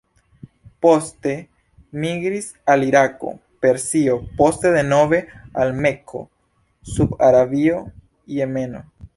Poste migris al Irako, Persio, poste denove al Mekko, Sud-Arabio, Jemeno.